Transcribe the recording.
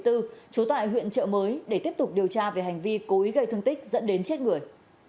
trú tại huyện trợ mới để tiếp tục điều tra về hành vi cố ý gây thương tích dẫn đến chết người